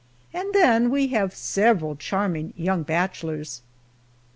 And then we have several charming young bachelors!